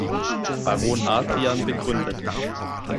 Baron Adrian begründet.